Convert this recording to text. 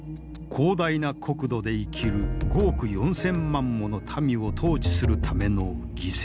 広大な国土で生きる５億４，０００万もの民を統治するための犠牲。